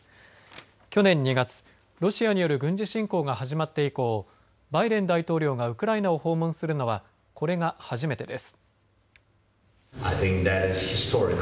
去年２月ロシアによる軍事侵攻が始まって以降バイデン大統領がウクライナを訪問するのはこれが初めてです。